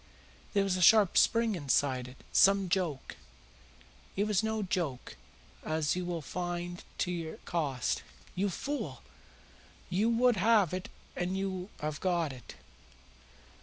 There was a sharp spring inside it. Some joke " "It was no joke, as you will find to your cost. You fool, you would have it and you have got it.